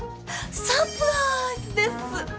サプライズです